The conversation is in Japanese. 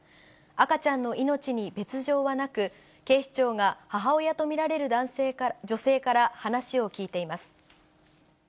赤ちゃんの命に別状はなく、警視庁が母親と見られる女性から話を聞いています。